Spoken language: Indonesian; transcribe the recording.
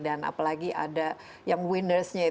apalagi ada yang menangnya